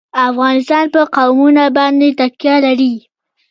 افغانستان په قومونه باندې تکیه لري.